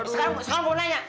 sekarang gua nanya